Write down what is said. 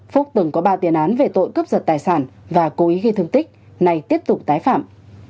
phúc từng có ba tiền án về tội cướp giật tài sản và cố ý gây thương tích nay tiếp tục tái phạm